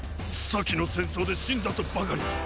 先の戦争で死んだとばかり。